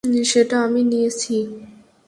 সেটা আমি নিয়েছি।